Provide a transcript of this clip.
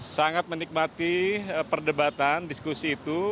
sangat menikmati perdebatan diskusi itu